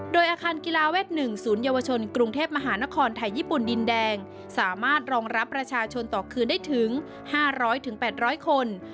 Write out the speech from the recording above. โดยอาคารกีฬาเวท๑ศูนยวชนกรุงเทพมหานครไทยญี่ปุ่นดินแดงสามารถรองรับประชาชนต่อคืนได้ถึง๕๐๐๘๐๐คน